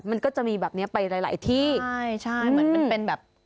มันก็จะมีแบบเนี้ยไปหลายหลายที่ใช่ใช่เหมือนมันเป็นแบบ